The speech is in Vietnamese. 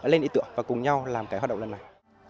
lên ý tưởng và cùng nhau làm cái hoạt động lần này